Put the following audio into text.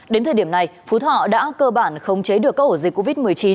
đến thời điểm này phú thọ đã cơ bản khống chế được các ổ dịch covid một mươi chín